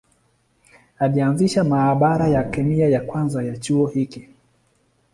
Alianzisha maabara ya kemia ya kwanza ya chuo hiki.